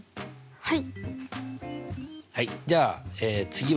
はい。